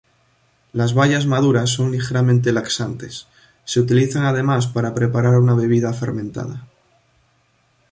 Las bayas maduras son ligeramente laxantes, se utilizan además para preparar una bebida fermentada.